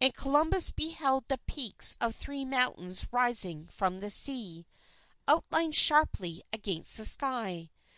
And Columbus beheld the peaks of three mountains rising from the sea, outlined sharply against the sky.